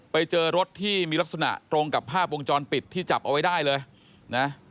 ไปเจอรถที่มีลักษณะตรงกับภาพวงจรปิดที่จับเอาไว้ได้เลยนะ